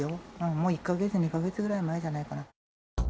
もう１か月、２か月ぐらい前じゃないかな。